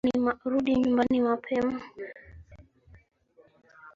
Rudi nyumbani mapema